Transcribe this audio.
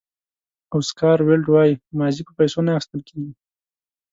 اوسکار ویلډ وایي ماضي په پیسو نه اخیستل کېږي.